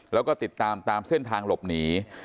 แล้วก็ติดตามตามเส้นทางหลบหนี